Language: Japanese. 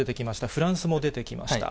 フランスも出てきました。